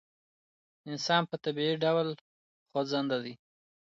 انسان په طبعي ډول خوځنده دی.